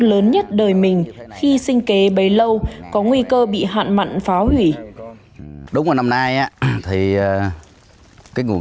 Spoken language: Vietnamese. lớn nhất đời mình khi sinh kế bấy lâu có nguy cơ bị hàn mặn phá hủy đúng một năm nay thì cái nguồn